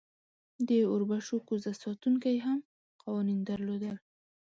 د اوربشو کوزه ساتونکی هم قوانین درلودل.